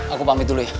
aku pamit dulu ya